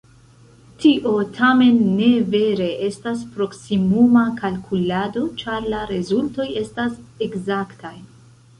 Tio tamen ne vere estas proksimuma kalkulado, ĉar la rezultoj estas ekzaktaj.